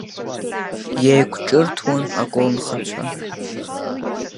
Еиқәҿырҭуан аколнхацәа.